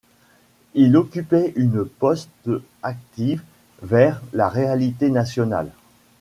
Il occupait une poste active vers la réalité nationale.